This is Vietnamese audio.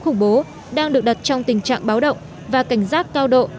khủng bố đang được đặt trong tình trạng báo động và cảnh giác cao độ